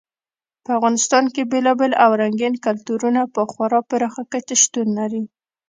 په افغانستان کې بېلابېل او رنګین کلتورونه په خورا پراخه کچه شتون لري.